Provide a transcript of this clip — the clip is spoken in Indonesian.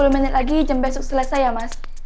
sepuluh menit lagi jam besok selesai ya mas